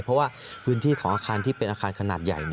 เพราะว่าพื้นที่ของอาคารที่เป็นอาคารขนาดใหญ่